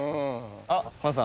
あっ？